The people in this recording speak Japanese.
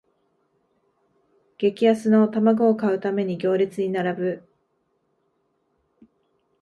激安の玉子を買うために行列に並ぶ